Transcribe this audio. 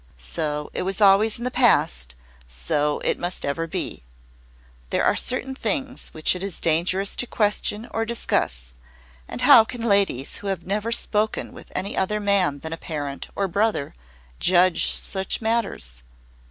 So it was always in the past; so it must ever be. There are certain things which it is dangerous to question or discuss, and how can ladies who have never spoken with any other man than a parent or a brother judge such matters?